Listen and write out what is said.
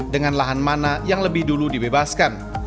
dengan lahan mana yang lebih dulu dibebaskan